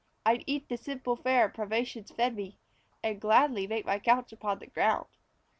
I'd eat the simple fare privations fed me, And gladly make my couch upon the ground.